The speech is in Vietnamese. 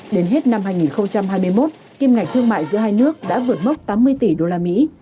đến hết năm hai nghìn hai mươi một kim ngạch thương mại giữa hai nước đã vượt mốc tám mươi tỷ đô la mỹ